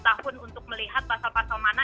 tahun untuk melihat pasal pasal mana